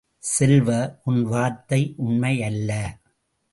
செல்வ, உன் வார்த்தை உண்மையல்ல.